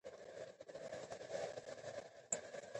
ځنګلونه د افغانانو لپاره په معنوي لحاظ ارزښت لري.